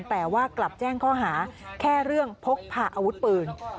แต่ว่ากลับแจ้งข้อหาแค่เรื่องพกพาอาวุธปืน